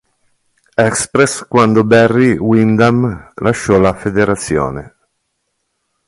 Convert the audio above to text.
Express quando Barry Windham lasciò la federazione.